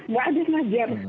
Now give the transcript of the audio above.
nggak ada yang ngajar